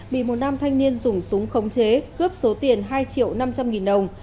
bị một nam thanh niên dùng súng khống chế cướp số tiền hai triệu năm trăm linh nghìn đồng